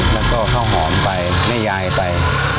แล้วก็ข้าวหอมไปแม่ยายไป